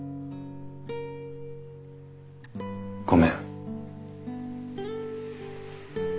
ごめん。